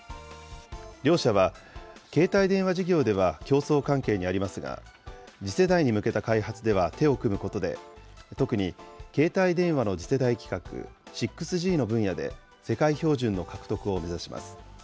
両社は、携帯電話事業では競争関係にありますが、次世代に向けた開発では手を組むことで、特に携帯電話の次世代規格、６Ｇの分野で、世界標準の獲得を目指します。